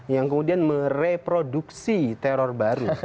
yang kemudian mereproduksi teror baru